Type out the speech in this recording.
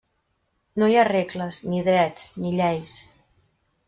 No hi ha regles, ni drets, ni lleis.